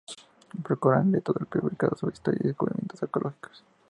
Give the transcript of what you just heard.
Procuraban leer todo lo publicado sobre Historia y descubrimientos arqueológicos.